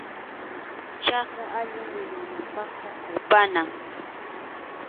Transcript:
Chakra allin wiñananpaqqa qarpanam.